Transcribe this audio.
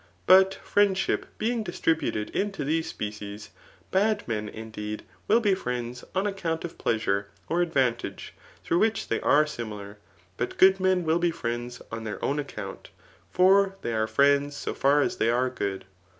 But friend^ip being distributed into these species, bad men, indeed, will be friends on account of pleasure (X advantage, through which they are similar; but good men will be friends on their own account; for they are friends so far as they are good.